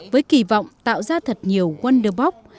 với kỳ vọng tạo ra thật nhiều wonder box